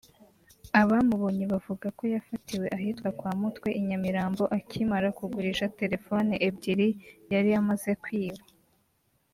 Abamubonye bavuga ko yafatiwe ahitwa kwa Mutwe i Nyamirambo akimara kugurisha telefone ebyiri yari amaze kwiba